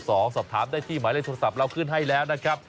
สอบถามได้ที่หมายเลขโทรศัพท์เราขึ้นให้แล้วนะครับ